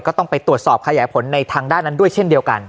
ก็ต้องไปตรวจสอบขยายผลในทางด้านนั้นด้วยเช่นเดียวกัน